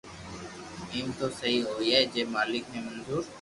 ايم تو سھي ھوئئي جي مالڪ ني منظو